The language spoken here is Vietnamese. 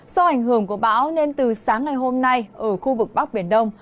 do ảnh hưởng của bão nên từ sáng ngày hôm nay ở khu vực bắc biển đông